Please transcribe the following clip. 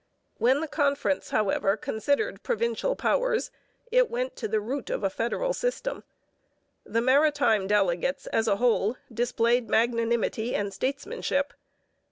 When the conference, however, considered provincial powers it went to the root of a federal system. The maritime delegates as a whole displayed magnanimity and statesmanship.